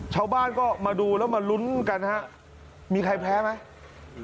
ชาวบ้านก็มาดูแล้วมาลุ้นกันฮะมีใครแพ้ไหม